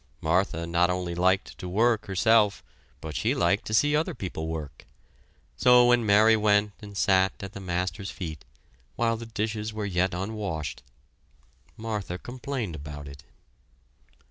Martha not only liked to work herself, but she liked to see other people work; so when Mary went and sat at the Master's feet, while the dishes were yet unwashed, Martha complained about it.